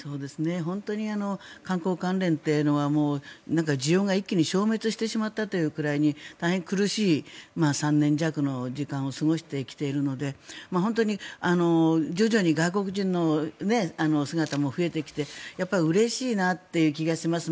本当に観光関連というのは需要が一気に消滅してしまったというぐらいに大変苦しい３年弱の時間を過ごしてきているので本当に徐々に外国人の姿も増えてきてうれしいなという気がします。